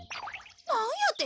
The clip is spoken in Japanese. なんやて？